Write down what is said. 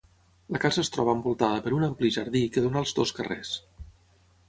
La casa es troba envoltada per un ampli jardí que dóna als dos carrers.